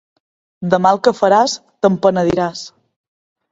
Del mal que faràs te'n penediràs.